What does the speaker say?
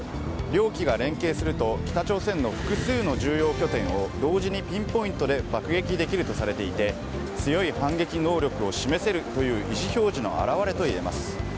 両機が連携すると北朝鮮の複数の重要拠点を同時にピンポイントで爆撃できるとされていて強い反撃能力を示せるという意思表示の表れといえます。